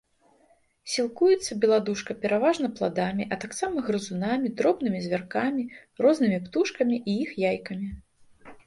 Сілкуецца беладушка пераважна пладамі, а таксама грызунамі, дробнымі звяркамі, рознымі птушкамі і іх яйкамі.